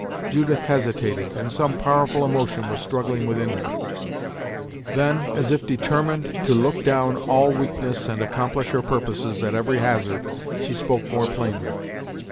Judith hesitated, and some powerful emotion was struggling within her. Then, as if determined to look down all weaknesses, and accomplish her purposes at every hazard, she spoke more plainly.